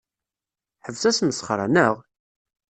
Ḥbes asmesxer-a, naɣ?